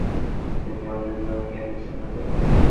আমরা সেই রকম গবেষক চাই, যিনি আমাদের নতুন জ্ঞানের সন্ধান দেবেন।